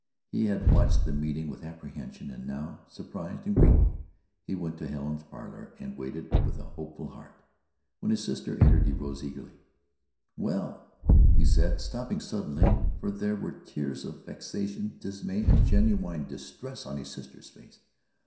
He had watched the meeting with apprehension and now, surprised and grateful, he went to Helen's parlour and waited with a hopeful heart. When his sister entered, he rose eagerly: "Well " he said, stopping suddenly, for there were tears of vexation, dismay and genuine distress on his sister's face.